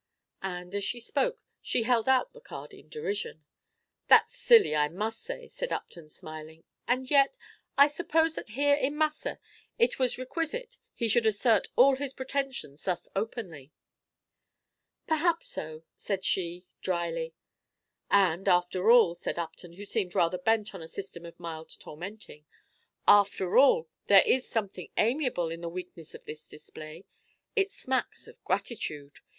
And, as she spoke, she held out the card in derision. "That's silly, I must say," said Upton, smiling; "and yet, I suppose that here in Massa it was requisite he should assert all his pretensions thus openly." "Perhaps so," said she, dryly. "And, after all," said Upton, who seemed rather bent on a system of mild tormenting, "after all, there is something amiable in the weakness of this display, it smacks of gratitude!